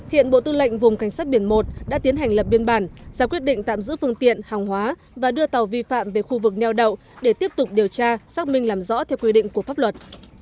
hiện bộ tư lệnh vùng cảnh sát biển một đã tiến hành lập biên bản ra quyết định tạm giữ phương tiện hàng hóa và đưa tàu vi phạm về khu vực neo đậu để tiếp tục điều tra xác minh làm rõ theo quy định của pháp luật